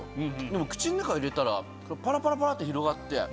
でも口の中入れたらパラパラパラって広がって。